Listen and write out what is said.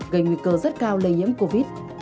gây nguy cơ rất cao lây nhiễm covid